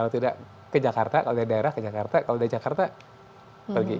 kalau tidak ke jakarta kalau dari daerah ke jakarta kalau dari jakarta pergi